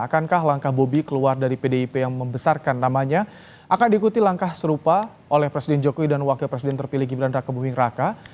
akankah langkah bobi keluar dari pdip yang membesarkan namanya akan diikuti langkah serupa oleh presiden jokowi dan wakil presiden terpilih gibran raka buming raka